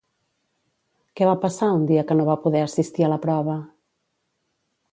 Què va passar un dia que no va poder assistir a la prova?